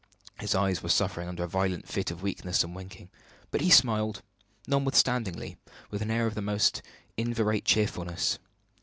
His eyes were suffering under a violent fit of weakness and winking; but he smiled, notwithstanding, with an air of the most inveterate cheerfulness.